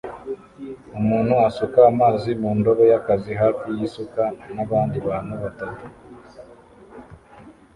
Umuntu asuka amazi mu ndobo y'akazi hafi y'isuka n'abandi bantu batatu